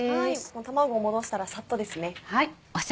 もう卵を戻したらサッとですね。